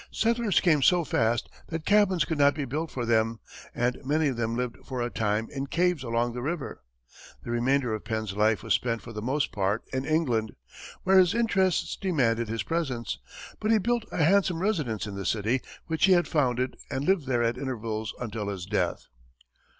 Settlers came so fast that cabins could not be built for them, and many of them lived for a time in caves along the river. The remainder of Penn's life was spent for the most part in England, where his interests demanded his presence, but he built a handsome residence in the city which he had founded and lived there at intervals until his death.